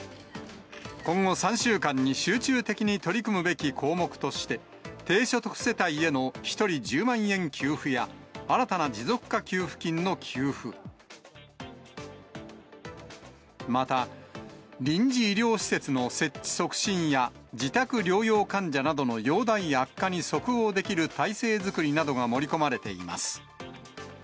今後３週間に集中的に取り組むべき項目として、低所得世帯への１人１０万円給付や、新たな持続化給付金の給付、また、臨時医療施設の設置促進や、自宅療養患者などの容体悪化に即応できる体制作りなどが盛り込まれています。